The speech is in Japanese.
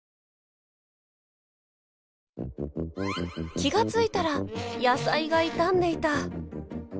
気が付いたら野菜が傷んでいた。